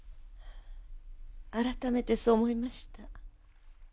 改めてそう思いました。